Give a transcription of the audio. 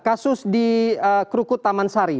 kasus di krukut taman sari